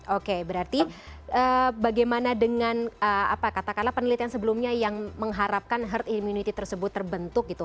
oke berarti bagaimana dengan katakanlah penelitian sebelumnya yang mengharapkan herd immunity tersebut terbentuk gitu